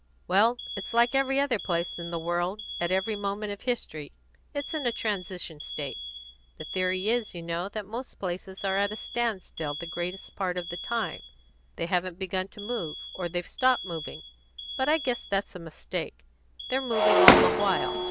"Well, it's like every other place in the world, at every moment of history it's in a transition state. The theory is, you know, that most places are at a standstill the greatest part of the time; they haven't begun to move, or they've stopped moving; but I guess that's a mistake; they're moving all the while.